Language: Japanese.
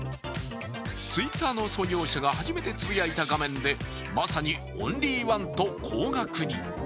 Ｔｗｉｔｔｅｒの創業者が初めてつぶやいた画面でまさにオンリーワンと高額に。